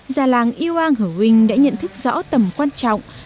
già làng iong hờ huynh đã nhận thức rõ tầm quan trọng